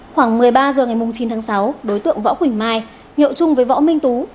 khoảng một mươi ba h ngày chín tháng sáu đối tượng võ quỳnh mai nhậu chung với võ minh tú